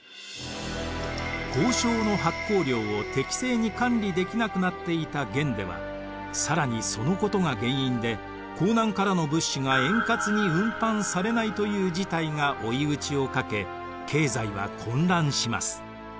交鈔の発行量を適正に管理できなくなっていた元では更にそのことが原因で江南からの物資が円滑に運搬されないという事態が追い打ちをかけ経済は混乱します。